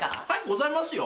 ございますよ。